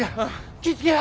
気ぃ付けや！